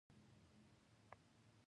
د پانګې کمښت د تولید کمښت راولي.